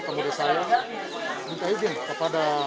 kemudian saya minta izin kepada